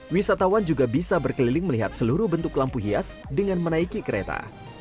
wisatawan juga bisa berkeliling melihat seluruh bentuk lampu hias dengan menaiki kereta